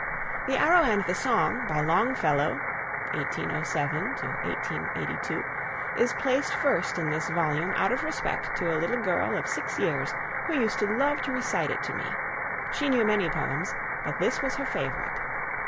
"The Arrow and the Song," by Longfellow (1807 82), is placed first in this volume out of respect to a little girl of six years who used to love to recite it to me. She knew many poems, but this was her favourite.